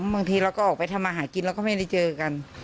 บางทีเราก็ออกไปทำอาหารกินเราก็ไม่ได้เจอกัน